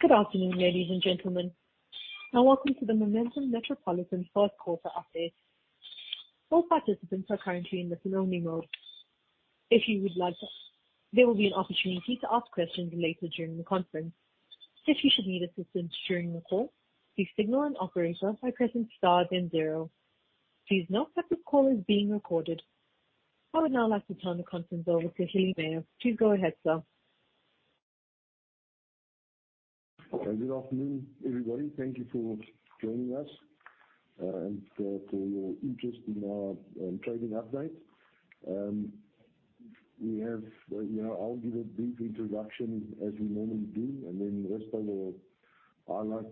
Good afternoon, ladies and gentlemen, welcome to the Momentum Metropolitan fourth quarter update. All participants are currently in listen only mode. There will be an opportunity to ask questions later during the conference. If you should need assistance during the call, please signal an operator by pressing star then zero. Please note that this call is being recorded. I would now like to turn the conference over to Hillie Meyer. Please go ahead, sir. Good afternoon, everybody. Thank you for joining us, and for your interest in our trading update. We have, you know, I'll give a brief introduction as we normally do, and then Risto will highlight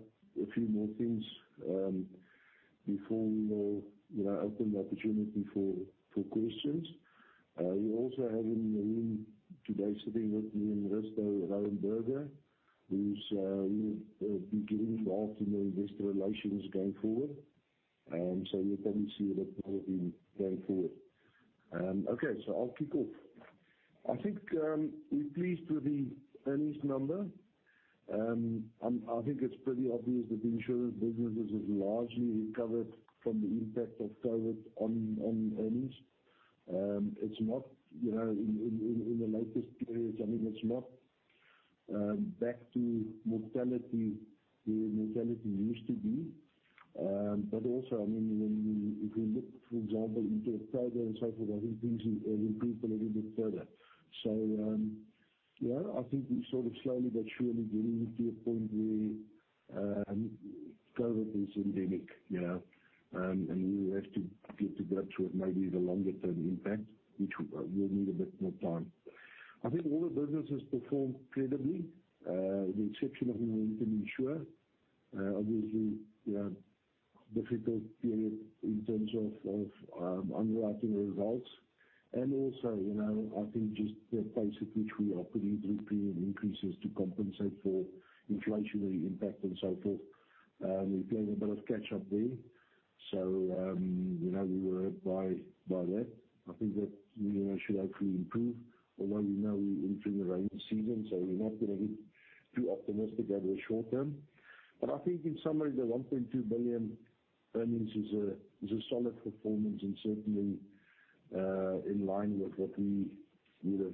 a few more things, before we, you know, open the opportunity for questions. We also have in the room today sitting with me and Risto, Rowan Burger, who's will be getting involved in the investor relations going forward. You'll probably see a lot more of him going forward. Okay, I'll kick off. I think, we're pleased with the earnings number. I think it's pretty obvious that the insurance businesses have largely recovered from the impact of COVID on earnings. It's not, you know, in the latest periods. I mean, it's not back to mortality, where mortality used to be. Also, I mean, if we look, for example, into PRIDA and so forth, I think things will improve a little bit further. Yeah, I think we're sort of slowly but surely getting to a point where COVID is endemic, you know, and we have to get to grips with maybe the longer term impact, which will need a bit more time. I think all the businesses performed credibly, with the exception of Momentum Insure. Obviously, you know, difficult period in terms of underwriting results. Also, you know, I think just the pace at which we are putting through premium increases to compensate for inflationary impact and so forth, we playing a bit of catch up there. You know, we were hit by that. I think that, you know, should hopefully improve. Although, you know, we entering the rainy season, so we're not gonna get too optimistic over the short term. I think in summary, the 1.2 billion earnings is a, is a solid performance and certainly, in line with what we, you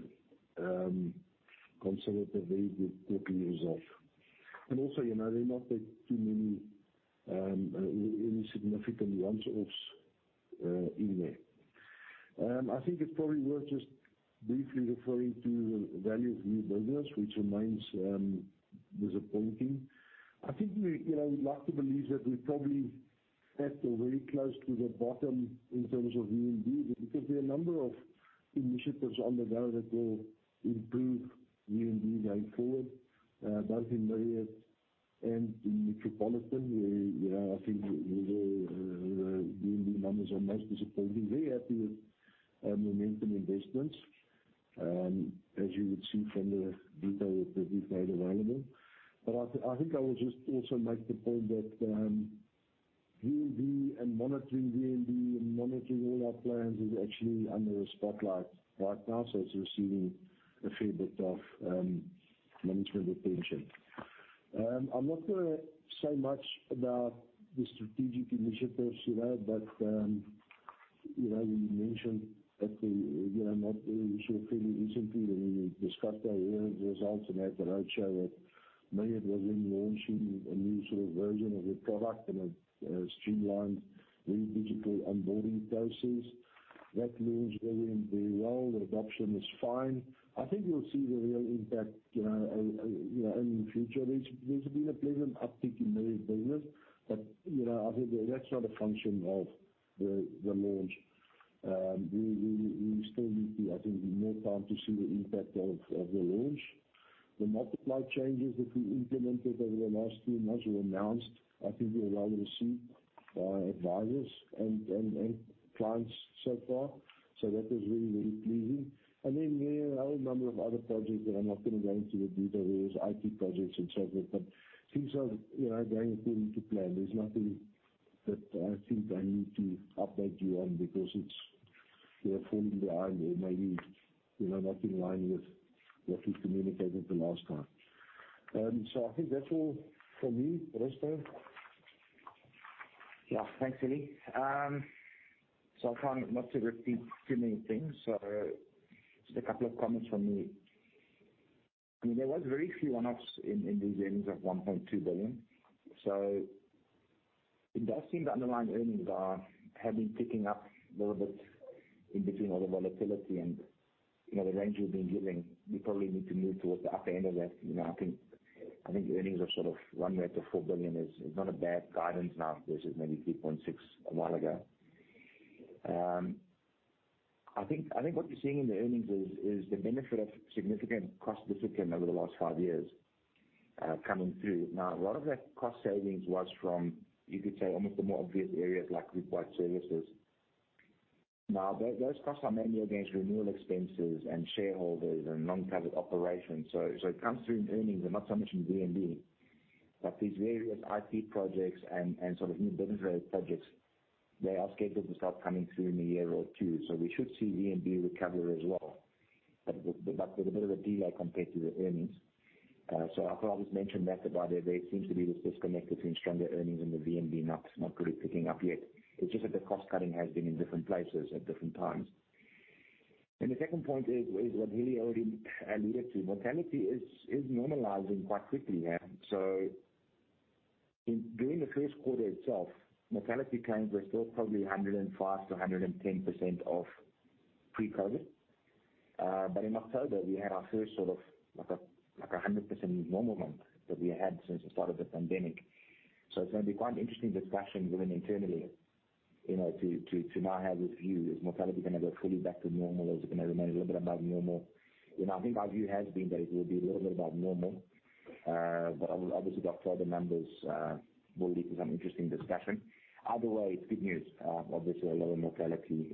know, consider a very good couple of years of. You know, there are not that too many, any significant once offs, in there. I think it's probably worth just briefly referring to the value of new business, which remains disappointing. I think we, you know, like to believe that we're probably at or very close to the bottom in terms of VNB, because there are a number of initiatives underway that will improve VNB going forward. Both in Marriott and in Metropolitan, we, you know, I think the VNB numbers are most disappointing. Very happy with Momentum Investments, as you would see from the detail that we've made available. I think I will just also make the point that VNB and monitoring all our plans is actually under the spotlight right now, so it's receiving a fair bit of management attention. I'm not gonna say much about the strategic initiatives, you know, but, you know, we mentioned at the, not very sure, fairly recently when we discussed our earnings results and at the roadshow that Marriott was relaunching a new sort of version of the product and a streamlined very digital onboarding process. That launched very, very well. The adoption is fine. I think we'll see the real impact, you know, you know, in future. There's been a pleasant uptick in Metropolitan business. You know, I think that's not a function of the launch. We still need to, I think, more time to see the impact of the launch. The Multiply changes that we implemented over the last two months were announced. I think they were well received by advisors and clients so far. That was really pleasing. Then there are a number of other projects that I'm not gonna go into the detail. There is IT projects and so forth, but things are, you know, going according to plan. There's nothing that I think I need to update you on because it's, you know, falling behind or maybe, you know, not in line with what we communicated the last time. I think that's all from me. Risto? Yeah. Thanks, Hillie. I'll try not to repeat too many things. Just a couple of comments from me. I mean, there was very few one-offs in these earnings of 1.2 billion. It does seem the underlying earnings have been ticking up a little bit in between all the volatility. You know, the range we've been giving, we probably need to move towards the upper end of that. You know, I think earnings are sort of run rate to 4 billion is not a bad guidance now versus maybe 3.6 billion a while ago. I think what you're seeing in the earnings is the benefit of significant cost discipline over the last five years coming through. Now, a lot of that cost savings was from, you could say, almost the more obvious areas like group wide services. Now those costs are mainly against renewal expenses and shareholders and non-credit operations. It comes through in earnings and not so much in VNB. These various IT projects and sort of new business related projects, they are scheduled to start coming through in the year or two. We should see VNB recovery as well. With a bit of a delay compared to the earnings. I thought I just mentioned that about it. There seems to be this disconnect between stronger earnings and the VNB not really picking up yet. It's just that the cost cutting has been in different places at different times. The second point is what Hillie already alluded to. Mortality is normalizing quite quickly. During the first quarter itself, mortality claims were still probably 105%-110% of pre-COVID. In October we had our first sort of like a 100% normal month that we had since the start of the pandemic. It's gonna be quite an interesting discussion within internally, you know, to now have this view. Is mortality gonna go fully back to normal, or is it gonna remain a little bit above normal? You know, I think our view has been that it will be a little bit above normal. Obviously we've got further numbers will lead to some interesting discussion. Either way, it's good news. Obviously a lower mortality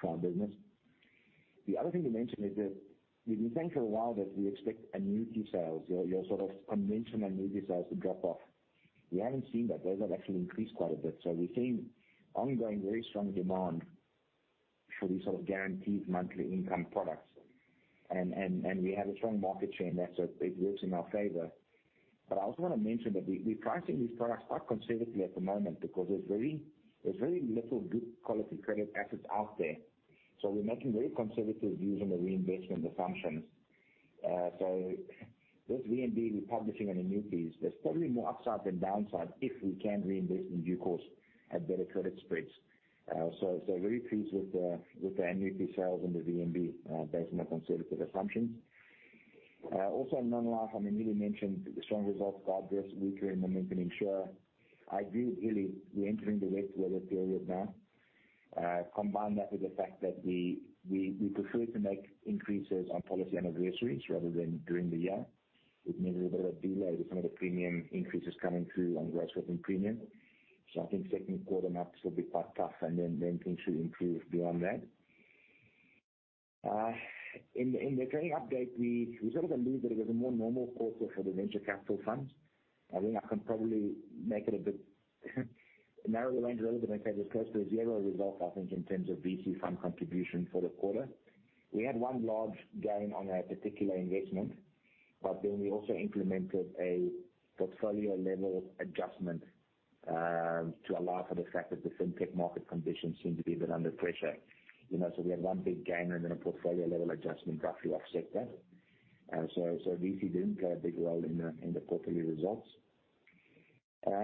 for our business. The other thing to mention is that we've been saying for a while that we expect annuity sales, your sort of conventional annuity sales to drop off. We haven't seen that. Those have actually increased quite a bit. We've seen ongoing very strong demand for these sort of guaranteed monthly income products. We have a strong market share in that, so it works in our favor. I also wanna mention that we're pricing these products quite conservatively at the moment because there's very little good quality credit assets out there. We're making very conservative views on the reinvestment assumptions. This VNB republishing on annuities, there's probably more upside than downside if we can reinvest in due course at better credit spreads. Very pleased with the annuity sales and the VNB, based on our conservative assumptions. Non-life, I mean, Hillie mentioned the strong results regardless, weaker in Momentum Insure. I agree with Hillie. We're entering the wet weather period now. Combine that with the fact that we prefer to make increases on policy anniversaries rather than during the year. It means a bit of a delay with some of the premium increases coming through on gross written premium. I think second quarter marks will be quite tough and then things should improve beyond that. In the trading update, we sort of alluded that it was a more normal quarter for the venture capital funds. I think I can probably make it a bit narrowly range relevant and say it was close to a zero result I think in terms of VC fund contribution for the quarter. We had one large gain on a particular investment, but then we also implemented a portfolio level adjustment to allow for the fact that the FinTech market conditions seem to be a bit under pressure. You know, we had one big gain and then a portfolio level adjustment roughly offset that. So VC didn't play a big role in the, in the portfolio results.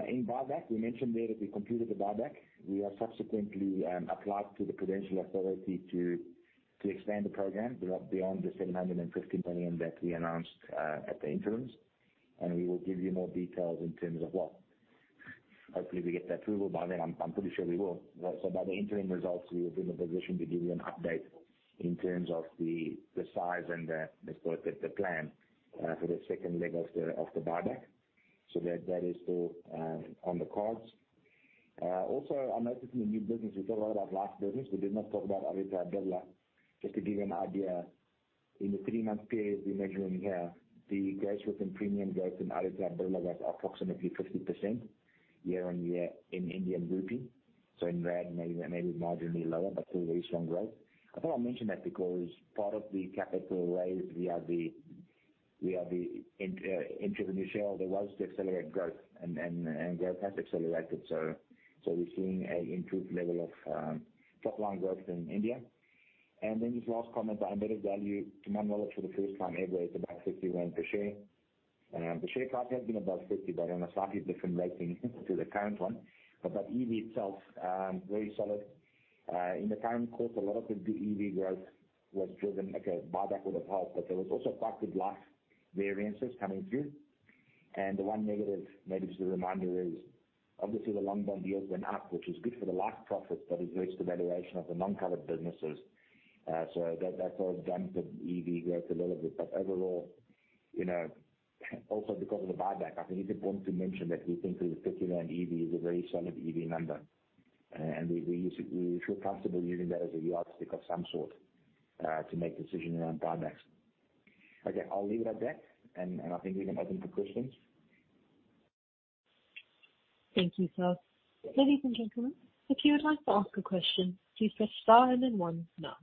In buyback, we mentioned there that we completed the buyback. We are subsequently applied to the Prudential Authority to extend the program beyond the 715 million that we announced at the interims. We will give you more details in terms of what. Hopefully, we get the approval by then. I'm pretty sure we will. By the interim results, we will be in a position to give you an update in terms of the size and the scope of the plan for the second leg of the buyback. That is still on the cards. Also I noticed in the new business we talk a lot about life business. We did not talk about Old Mutual. Just to give you an idea, in the three-month period we're measuring here, the gross written premium growth in Old Mutual was approximately 50% year-on-year in INR. In ZAR, maybe marginally lower, but still very strong growth. I thought I'd mention that because part of the capital raise via the, via the into the new sharehold was to accelerate growth. Growth has accelerated, so we're seeing a improved level of top line growth in India. Then this last comment on embedded value. To my knowledge for the first time ever, it's above 50 per share. The share price has been above 50, but on a slightly different rating to the current one. That EV itself, very solid. In the current quarter, a lot of the EV growth was driven like a buyback would have helped, but there was also quite good life variances coming through. The one negative maybe just to remind you is obviously the long bond yields went up, which is good for the life profits, but erodes the valuation of the non-covered businesses. That sort of dented EV growth a little bit. Overall, you know, also because of the buyback, I think it's important to mention that we think the 50 rand EV is a very solid EV number. We feel comfortable using that as a yardstick of some sort to make decisions around buybacks. Okay, I'll leave it at that. I think we can open for questions. Thank you, Risto. Ladies and gentlemen, if you would like to ask a question, please press star and then one now.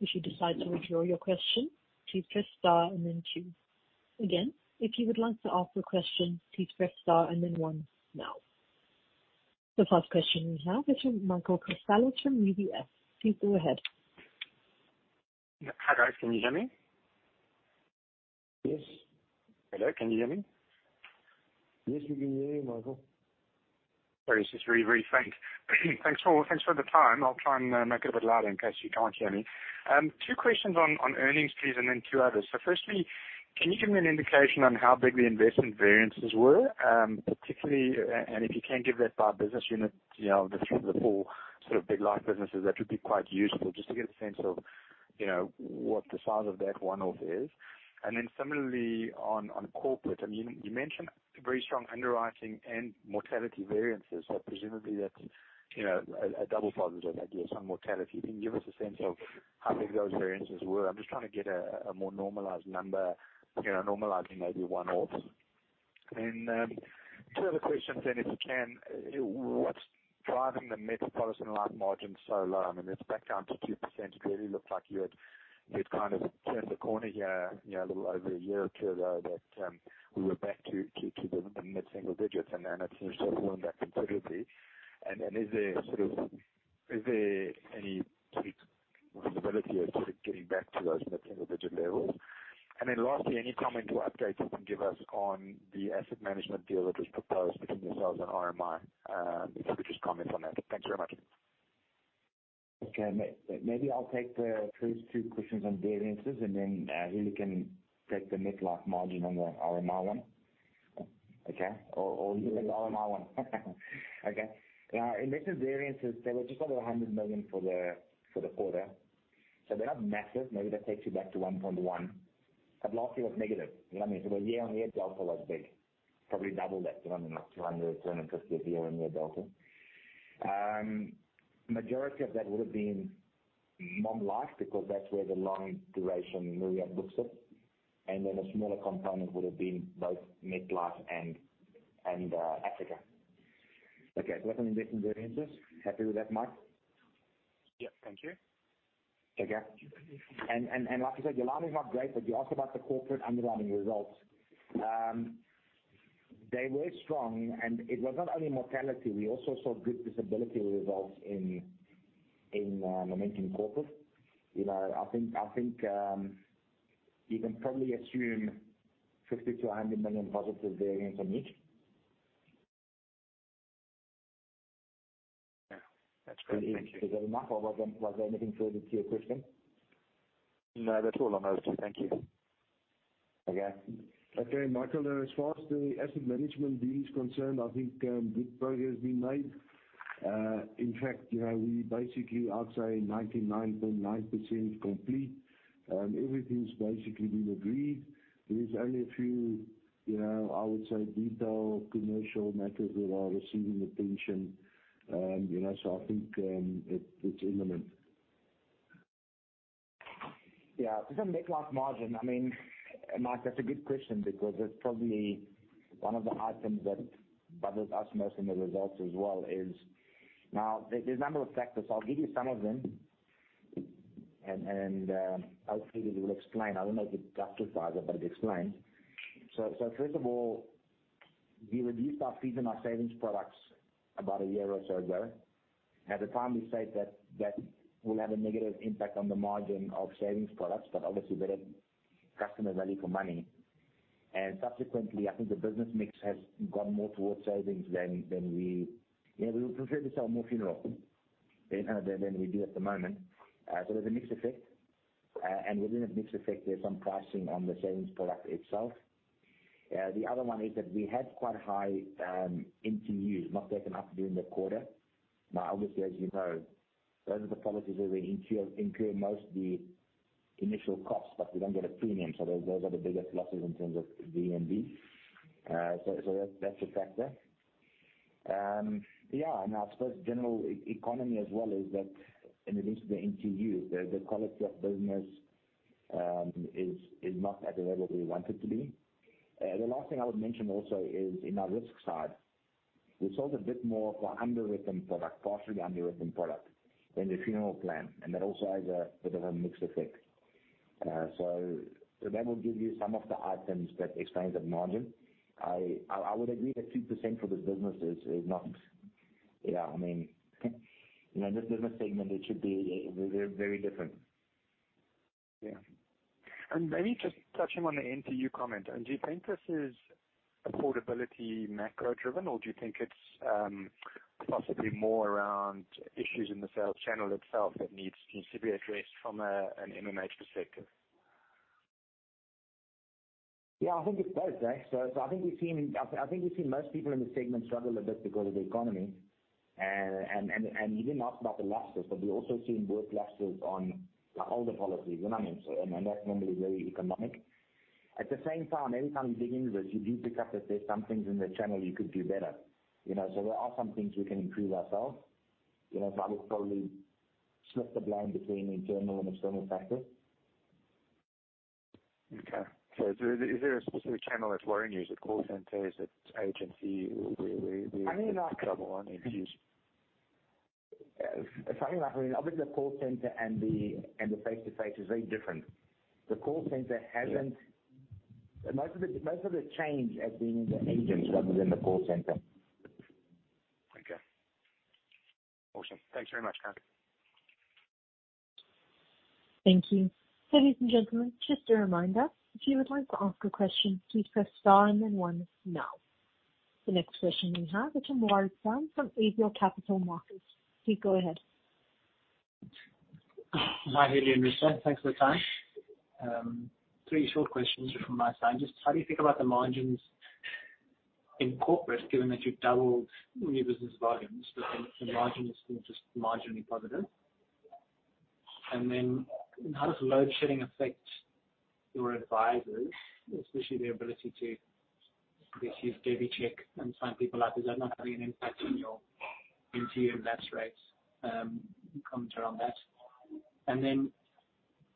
If you decide to withdraw your question, please press star and then two. Again, if you would like to ask a question, please press star and then one now. The first question we have is from Michael Christelis from UBS. Please go ahead. Hi, guys. Can you hear me? Yes. Hello, can you hear me? Yes, we can hear you, Michael. Sorry, it's just very, very faint. Thanks for the time. I'll try and make it a bit louder in case you can't hear me. Two questions on earnings, please, and then two others. Firstly, can you give me an indication on how big the investment variances were? Particularly, and if you can give that by business unit, you know, the four sort of big life businesses, that would be quite useful just to get a sense of, you know, what the size of that one-off is. Similarly on Momentum Corporate, I mean, you mentioned very strong underwriting and mortality variances. Presumably that's, you know, a double positive idea of some mortality. Can you give us a sense of how big those variances were? I'm just trying to get a more normalized number, you know, normalizing maybe one-offs. Two other questions then, if you can. What's driving the Metropolitan Life margin so low? I mean, it's back down to 2%. It really looked like you had kind of turned the corner here, you know, a little over a year or two ago that we were back to the mid-single digits, it seems to have gone back considerably. Is there any sort of visibility of sort of getting back to those mid-single digit levels? Lastly, any comment or update you can give us on the asset management deal that was proposed between yourselves and RMI? If you could just comment on that. Thanks very much. Okay. Maybe I'll take the first two questions on variances, and then Hillie can take the MetLife margin and the RMI one. Okay? Or you take the RMI one. Okay. In terms of variances, they were just over 100 million for the quarter, so they're not massive. Maybe that takes you back to 1.1. Last year was negative. You know what I mean? The year-on-year delta was big. Probably double that to around, like, 200 million-250 million at year-on-year delta. Majority of that would've been non-life because that's where the long duration myriad books sit. A smaller component would've been both MetLife and Africa. Okay. That's on the variances. Happy with that, Mark? Yeah. Thank you. Okay. Like you said, the line is not great, but you asked about the corporate underlying results. They were strong, and it was not only mortality. We also saw good disability results in Momentum Corporate. You can probably assume 50 million-100 million positive variance on each. Yeah. That's great. Thank you. Is that enough, or was there anything further to your question? No, that's all on those two. Thank you. Okay. Okay, Michael, as far as the asset management deal is concerned, I think good progress is being made. In fact, you know, we basically, I'd say 99.9% complete. Everything's basically been agreed. There's only a few, you know, I would say detail commercial matters that are receiving attention. You know, I think it's imminent. Yeah. MetLife margin, I mean, Mark, that's a good question because that's probably one of the items that bothers us most in the results as well is. Now, there's a number of factors. I'll give you some of them and hopefully they will explain. I don't know if it justifies it, but it explains. First of all, we reduced our fees on our savings products about a year or so ago. At the time, we said that that will have a negative impact on the margin of savings products, but obviously better customer value for money. Subsequently, I think the business mix has gone more towards savings than we. You know, we would prefer to sell more funeral than we do at the moment. There's a mix effect. Within the mix effect, there's some pricing on the savings product itself. The other one is that we had quite high NTUs not taken up during the quarter. Obviously, as you know, those are the policies where we incur mostly initial costs, but we don't get a premium. Those are the biggest losses in terms of VNB. So that's a factor. I suppose general e-economy as well is that in relation to the NTU, the quality of business is not at the level we want it to be. The last thing I would mention also is in our risk side, we sold a bit more of our underwritten product, partially underwritten product than the funeral plan. That also has a bit of a mix effect. That will give you some of the items that explain the margin. I would agree that 2% for this business is not. Yeah, I mean, you know, in this business segment it should be, very different. Yeah. Maybe just touching on the NTU comment. Do you think this is affordability macro driven, or do you think it's possibly more around issues in the sales channel itself that needs to be addressed from an MMI perspective? Yeah, I think it's both, hey. I think we've seen most people in the segment struggle a bit because of the economy. You didn't ask about the lapses, but we also seen more lapses on the older policies. You know what I mean? That's normally very economic. At the same time, anytime you dig into this, you do pick up that there's some things in the channel you could do better. You know? There are some things we can improve ourselves. You know, I would probably split the blame between internal and external factors. Okay. Is there a specific channel that's worrying you? Is it call centers? It's agency where you struggle on NTUs? If I'm being honest, obviously the call center and the, and the face-to-face is very different. The call center hasn't, most of the change has been in the agents rather than the call center. Okay. Awesome. Thanks very much, guys. Thank you. Ladies and gentlemen, just a reminder, if you would like to ask a question, please press star and then one now. The next question we have is from Warwick Bam from Avior Capital Markets. Please go ahead. Hi, Hillie and Risto. Thanks for the time. Three short questions from my side. Just how do you think about the margins in Corporate, given that you've doubled new business volumes, but the margin is still just marginally positive? How does load shedding affect your advisors, especially their ability to basically DebiCheck and sign people up? Is that not having an impact on your NTU and lapse rates? Can you comment around that?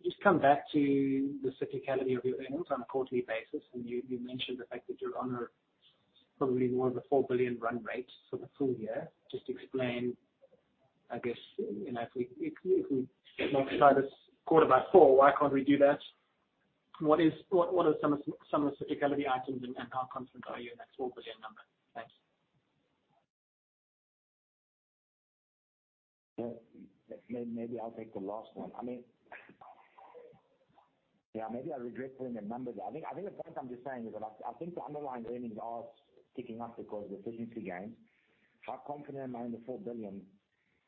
Just come back to the cyclicality of your earnings on a quarterly basis. You, you mentioned the fact that you're on a, probably more of a 4 billion run rate for the full year. Just explain, I guess, you know, if we maximize quarter by quarter, why can't we do that? What are some of the cyclicality items and how confident are you in that ZAR 4 billion number? Thanks. Yeah. Maybe I'll take the last one. I mean, yeah, maybe I regret putting the numbers. I think the point I'm just saying is that I think the underlying earnings are ticking up because of efficiency gains. How confident am I in the 4 billion?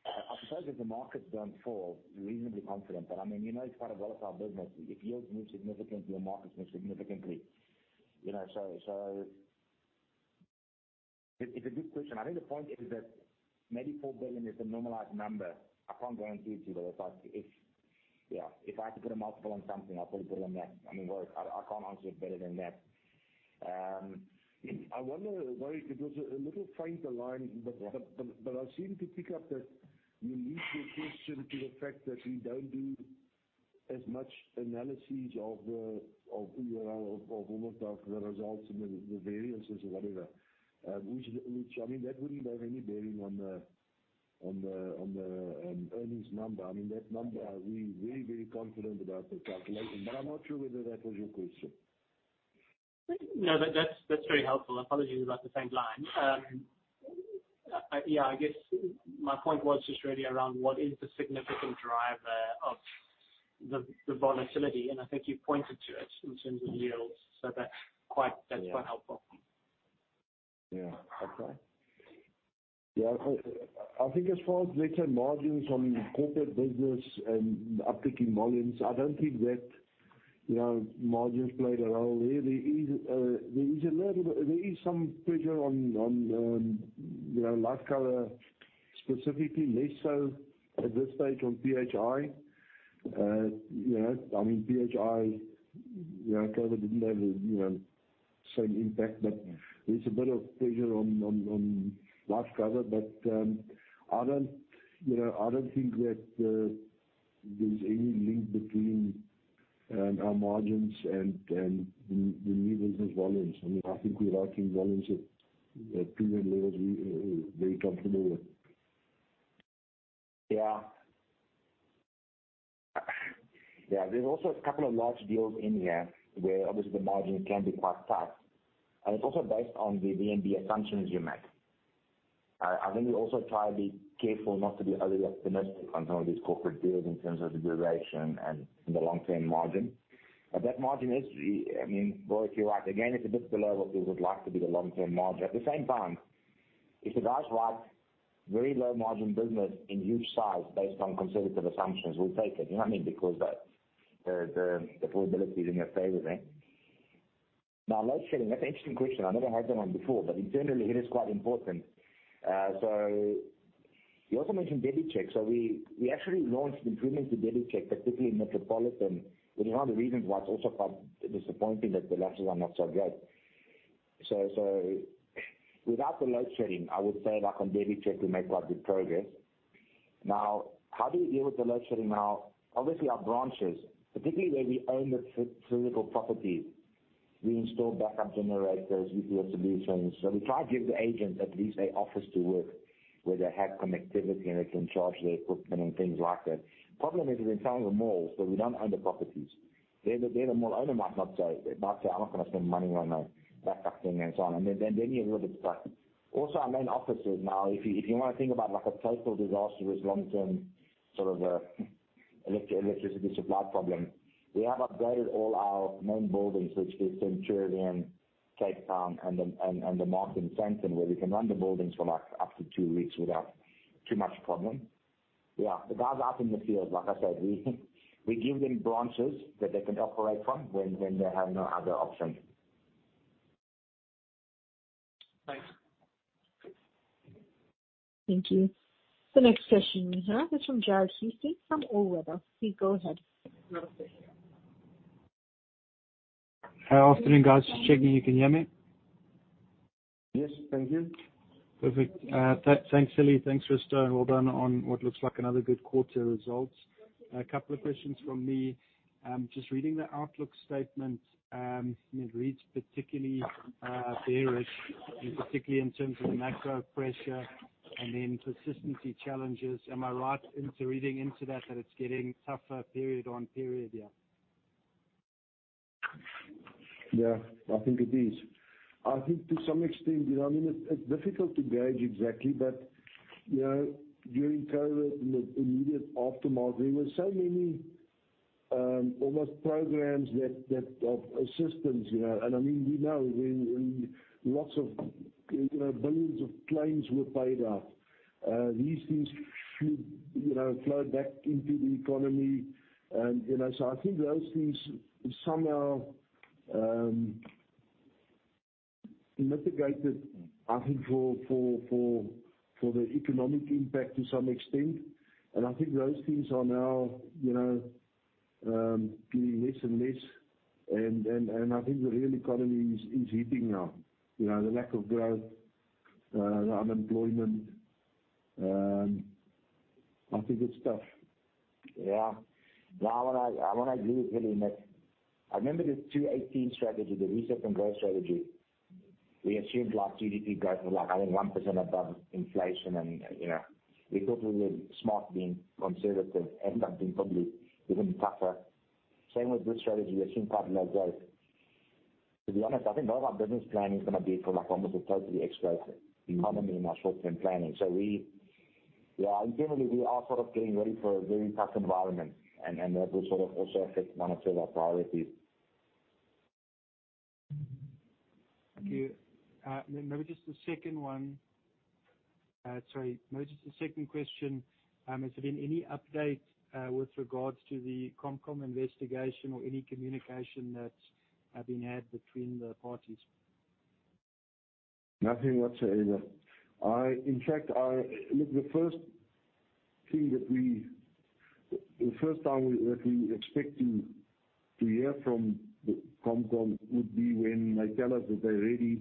I suppose if the market don't fall, reasonably confident. I mean, you know, it's quite a volatile business. If yields move significantly or markets move significantly, you know. It's a good question. I think the point is that maybe 4 billion is the normalized number. I can't guarantee it to you, but if, yeah, if I had to put a multiple on something, I'd probably put it on that. I mean, Warwick, I can't answer it better than that. I wonder, Warwick, it was a little faint a line, but I seem to pick up that you linked your question to the fact that we don't do as much analysis of the URL of all of the results and the variances or whatever. Which, I mean, that wouldn't have any bearing on the earnings number. I mean, that number, we very confident about the calculation, but I'm not sure whether that was your question? That's very helpful. Apologies about the faint line. I guess my point was just really around what is the significant driver of the volatility? I think you pointed to it in terms of yields, so that's quite, that's quite helpful. Yeah. Okay. Yeah. I think as far as better margins on corporate business and uptick in volumes, I don't think that, you know, margins played a role here. There is some pressure on, you know, Life Cover, specifically, less so at this stage on PHI. You know, I mean, PHI, you know, COVID didn't have, you know, same impact. There's a bit of pressure on Life Cover. I don't, you know, I don't think that there's any link between our margins and the new business volumes. I mean, I think we're writing volumes at premium levels we very comfortable with. Yeah, there's also a couple of large deals in here where obviously the margin can be quite tight. It's also based on the VNB assumptions you make. I think we also try to be careful not to be overly optimistic on some of these corporate deals in terms of the duration and the long-term margin. That margin is, I mean, Warwick, you're right. Again, it's a bit below what we would like to be the long-term margin. At the same time, if the guys write very low margin business in huge size based on conservative assumptions, we'll take it. You know what I mean? The probability is in your favor, right? Now, load shedding, that's an interesting question. I never had that one before, but internally it is quite important. You also mentioned DebiCheck. We actually launched improvements to DebiCheck, particularly in Metropolitan. You know, one of the reasons why it's also quite disappointing that the launches are not so great. Without the load shedding, I would say like on DebiCheck, we make quite good progress. How do you deal with the load shedding now? Obviously, our branches, particularly where we own the physical properties, we install backup generators, UPS solutions. We try to give the agents at least a office to work, where they have connectivity and they can charge their equipment and things like that. Problem is when it's in a mall, we don't own the properties. Then the mall owner might say, "I'm not gonna spend money on a backup thing," and so on. Then you're a little bit stuck. Our main offices now, if you wanna think about like a total disaster as long-term, sort of a electricity supply problem, we have upgraded all our main buildings, which is in Turian, Cape Town, and the Martin Center, where we can run the buildings for like up to two weeks without too much problem. Yeah. The guys out in the field, like I said, we give them branches that they can operate from when they have no other option. Thanks. Thank you. The next question we have is from Jarred Houston from All Weather Capital. Please go ahead. Hi. Afternoon, guys. Just checking you can hear me. Yes. Thank you. Perfect. Thanks, Hillie. Thanks, Risto. Well done on what looks like another good quarter results. A couple of questions from me. Just reading the outlook statement, it reads particularly bearish, particularly in terms of the macro pressure and then persistency challenges. Am I right into reading into that it's getting tougher period on period here? I think it is. I think to some extent, you know, I mean, it's difficult to gauge exactly, but, you know, during COVID and the immediate aftermath, there were so many almost programs that of assistance, you know. I mean, we know when lots of, you know, billions of claims were paid out, these things should, you know, flow back into the economy. You know, so I think those things somehow mitigated, I think, for the economic impact to some extent. I think those things are now, you know, getting less and less. I think the real economy is hitting now. You know, the lack of growth, the unemployment. Lots of good stuff. Yeah. No, and I agree with Hillie that I remember the 2018 strategy, the Reset and Grow strategy. We assumed like GDP growth was like only 1% above inflation and we thought we were smart being conservative, ended up being probably even tougher. Same with this strategy. We've seen quite low growth. To be honest, I think all our business planning is gonna be for like almost a totally exposed economy in our short term planning. Yeah, generally, we are sort of getting ready for a very tough environment, and that will sort of also affect how to set our priorities. Thank you. Maybe just a second question. Has there been any update with regards to the ComCom investigation or any communication that's been had between the parties? Nothing whatsoever. In fact, look, the first thing that we expecting to hear from the ComCom would be when they tell us that they're ready,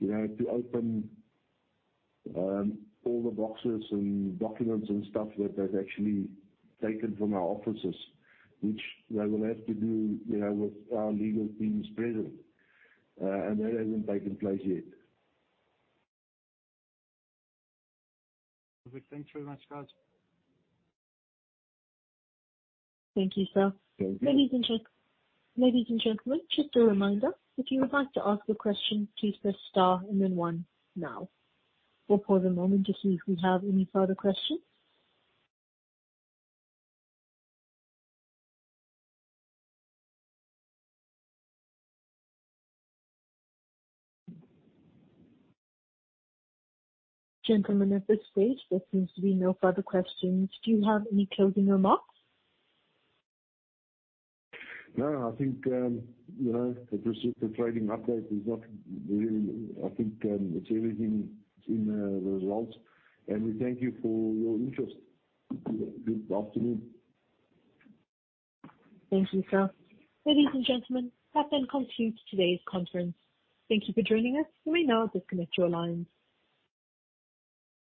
you know, to open all the boxes and documents and stuff that they've actually taken from our offices, which they will have to do, you know, with our legal teams present. That hasn't taken place yet. Perfect. Thanks very much, guys. Thank you, sir. Thank you. Ladies and gentlemen, just a reminder, if you would like to ask a question, please press star and then one now. We'll pause a moment to see if we have any further questions. Gentlemen, at this stage there seems to be no further questions. Do you have any closing remarks? No, I think, you know, the pursuit for trading update is not really. I think, it's everything in the results. We thank you for your interest. Good afternoon. Thank you, sir. Ladies and gentlemen, that then concludes today's conference. Thank you for joining us. You may now disconnect your lines.